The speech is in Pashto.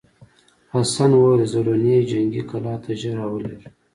حسن وویل زولنې جنګي کلا ته ژر راولېږه.